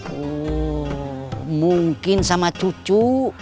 oh mungkin sama cucu